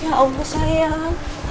ya allah sayang